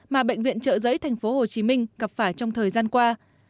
mà bệnh viện trợ giấy tp hcm gặp phải trong thời gian qua